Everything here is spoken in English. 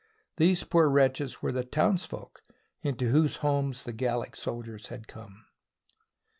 These poor wretches were the townsfolk into whose homes the Gallic soldiers had come.